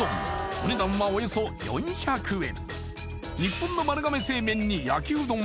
お値段はおよそ４００円